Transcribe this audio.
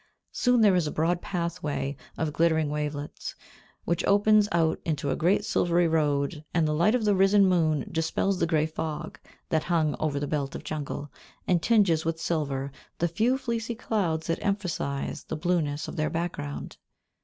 Soon there is a broad pathway of glittering wavelets, which opens out into a great silvery road, and the light of the risen moon dispels the grey fog that hung over the belt of jungle, and tinges with silver the few fleecy clouds that emphasise the blueness of their background.